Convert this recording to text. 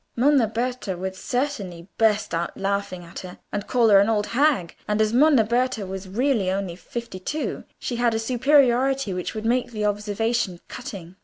Monna Berta would certainly burst out laughing at her, and call her an old hag, and as Monna Berta was really only fifty two, she had a superiority which would make the observation cutting.